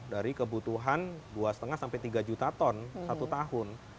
dari kebutuhan dua lima sampai tiga juta ton satu tahun